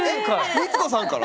光子さんから？